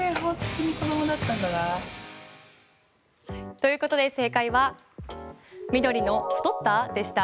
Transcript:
ということで正解は、緑の太った？でした。